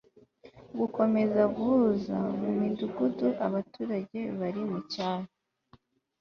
gukomeza guhuza mu midugudu abaturage bari mu cyaro